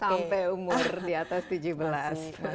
sampai umur di atas tujuh belas